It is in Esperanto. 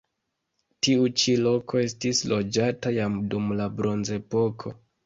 Tiu ĉi loko estis loĝata jam dum la bronzepoko.